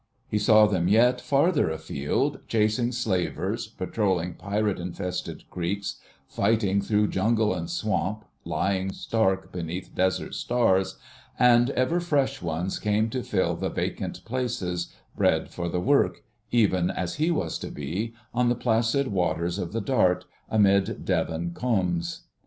He saw them yet farther afield, chasing slavers, patrolling pirate infested creeks, fighting through jungle and swamp, lying stark beneath desert stars, ... and ever fresh ones came to fill the vacant places, bred for the work—even as he was to be—on the placid waters of the Dart, amid Devon coombes.